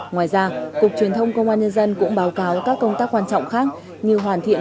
ngoài ra cục truyền thông công an nhân dân cũng báo cáo các công tác quan trọng khác như hoàn thiện